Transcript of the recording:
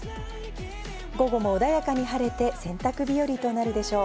午後も穏やかに晴れて、洗濯日和となるでしょう。